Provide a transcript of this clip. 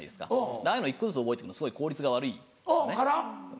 ああいうの１個ずつ覚えてくのすごい効率が悪いんですよね。